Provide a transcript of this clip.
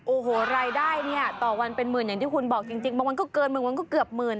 โอ้โหรายได้เนี่ยต่อวันเป็นหมื่นอย่างที่คุณบอกจริงบางวันก็เกินหมื่นวันก็เกือบหมื่น